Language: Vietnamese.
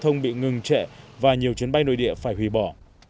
thông bị ngừng trệ và nhiều chiến bay nội địa phải hủy bỏ